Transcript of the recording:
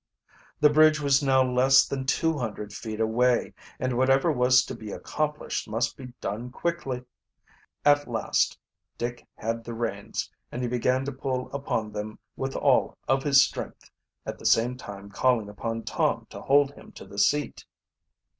The bridge was now less than two hundred feet away, and whatever was to be accomplished must be done quickly. At last Dick had the reins, and he began to pull upon them with all of his strength, at the same time calling upon Tom to hold him to the seat.